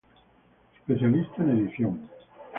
Especialista en edición.